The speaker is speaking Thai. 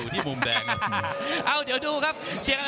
พี่น้องอ่ะพี่น้องอ่ะพี่น้องอ่ะ